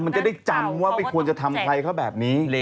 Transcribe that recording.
มันจะได้จำว่าไม่ควรจะทำใครเขาแบบนี้